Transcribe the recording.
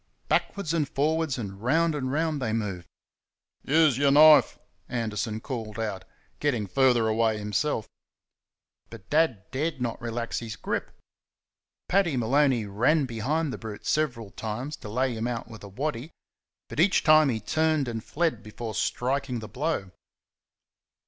Backwards and forwards and round and round they moved. "Use your knife!" Anderson called out, getting further away himself. But Dad dared not relax his grip. Paddy Maloney ran behind the brute several times to lay him out with a waddy, but each time he turned and fled before striking the blow.